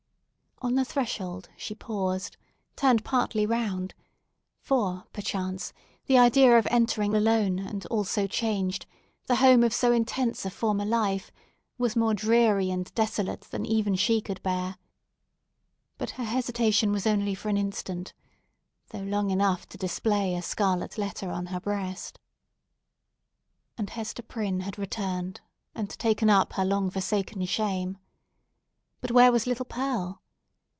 On the threshold she paused—turned partly round—for perchance the idea of entering alone and all so changed, the home of so intense a former life, was more dreary and desolate than even she could bear. But her hesitation was only for an instant, though long enough to display a scarlet letter on her breast. And Hester Prynne had returned, and taken up her long forsaken shame! But where was little Pearl?